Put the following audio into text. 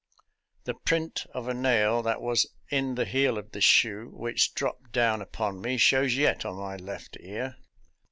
The print of a nail that was in the heel of the shoe which dropped down upon me shows yet on my left ear.